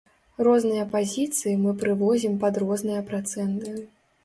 Розныя пазіцыі мы прывозім пад розныя працэнты.